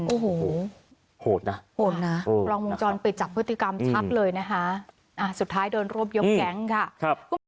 โอ้โหโหดนะโหดนะกล้องวงจรปิดจับพฤติกรรมชัดเลยนะคะสุดท้ายโดนรวบยกแก๊งค่ะ